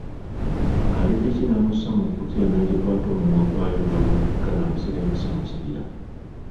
Aliddeki namussa mu kkutiya n’agikwata omumwa gwayo namwetikka namuserengesa mu kibira.